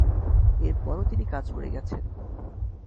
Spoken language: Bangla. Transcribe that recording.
এরপরও তিনি কাজ করে গেছেন।